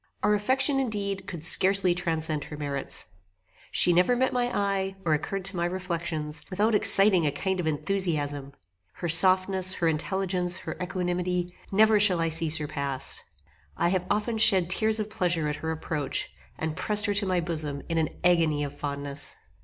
Our affection indeed could scarcely transcend her merits. She never met my eye, or occurred to my reflections, without exciting a kind of enthusiasm. Her softness, her intelligence, her equanimity, never shall I see surpassed. I have often shed tears of pleasure at her approach, and pressed her to my bosom in an agony of fondness.